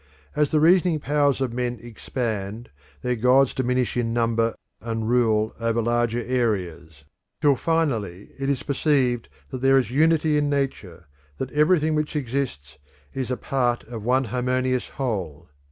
As the reasoning powers of men expand their gods diminish in number and rule over larger areas, till finally it is perceived that there is unity in nature, that everything which exists is a part of one harmonious whole.